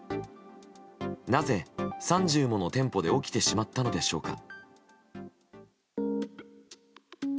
なぜ３０もの店舗で起きてしまったのでしょうか。